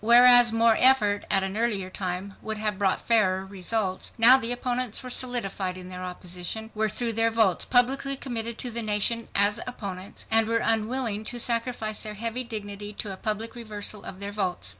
Whereas more effort, at an earlier time, would have brought fairer results, now the opponents were solidified in their opposition, were through their votes publicly committed to the nation as opponents, and were unwilling to sacrifice their heavy dignity to a public reversal of their votes.